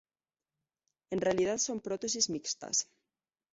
En realidad son prótesis mixtas.